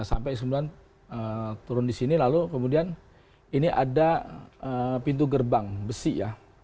sampai sembilan turun di sini lalu kemudian ini ada pintu gerbang besi ya